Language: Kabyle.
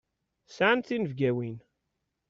Sɛant tinebgawin.